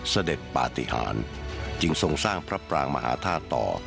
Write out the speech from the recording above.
เสด็จปฏิหารจึงทรงสร้างพระปรางมหาธาตุต่อ